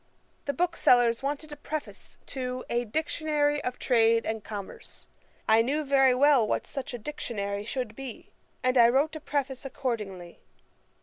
The booksellers wanted a Preface to a Dictionary of Trade and Commerce. I knew very well what such a Dictionary should be, and I wrote a Preface accordingly.'